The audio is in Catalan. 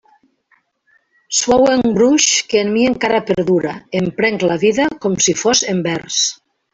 Suau embruix que en mi encara perdura, em prenc la vida com si fos en vers.